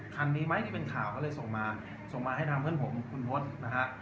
คันนี้ไหมที่เป็นข่าวก็เลยส่งมาส่งมาให้ทางเพื่อนผมคุณพศนะฮะ